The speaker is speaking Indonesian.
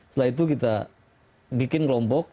setelah itu kita bikin kelompok